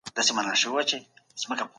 سم نیت ناامیدي نه پیدا کوي.